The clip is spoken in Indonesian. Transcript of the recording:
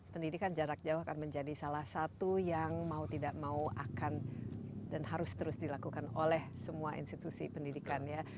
pendidikan jarak jauh akan menjadi salah satu yang mau tidak mau akan dan harus terus dilakukan oleh semua institusi pendidikan ya